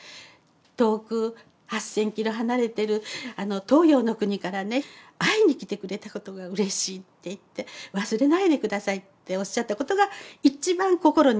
遠く８，０００キロ離れてる東洋の国からね会いに来てくれたことがうれしいって言って忘れないで下さいっておっしゃったことが一番心に残ったんです。